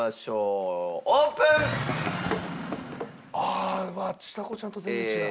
ああちさ子ちゃんと全然違う。